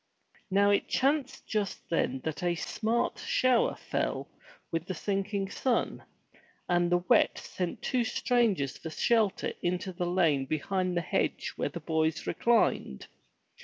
Now it chanced just then that a smart shower fell with the sinking sun, and the wet sent two strangers for shelter into the lane behind the hedge where the boys reclined.